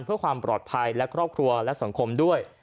เพื่อความปลอดภัยและครอบครัวและสังคมด้วย